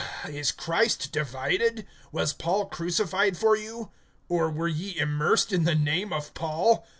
(13)Is Christ divided? Was Paul crucified for you? Or were ye immersed in the name of Paul?